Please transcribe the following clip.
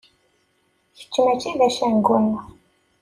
Kečč mačči d acengu-nneɣ.